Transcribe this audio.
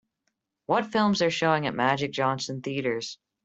What films are showing at Magic Johnson Theatres.